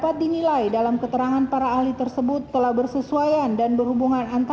tiga alat bukti surat